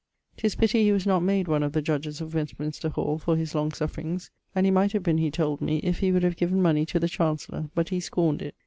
'Tis pitty he was not made one of the judges of Westminster hall for his long sufferings; and he might have been, he told me, if he would have given money to the Chancellor but he scornd it.